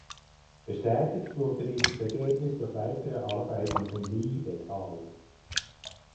Bestätigt wurde dieses Ergebnis durch weitere Arbeiten von Li et al.